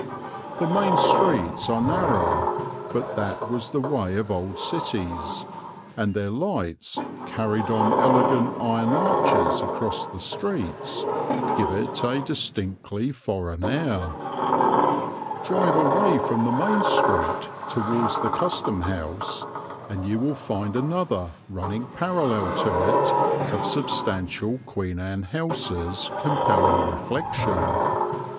The main streets are narrow, but that was the way of old cities, and their lights, carried on elegant iron arches across the streets, give it a distinctly foreign air. Drive away from the main street towards the Custom house, and you will find another, running parallel to it, of substantial Queen Anne houses compelling reflection.